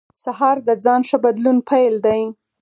سهار د ځان ښه بدلون پیل دی.